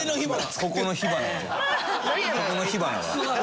ここの火花は。